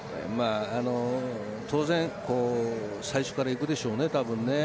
当然最初から行くでしょうねたぶんね。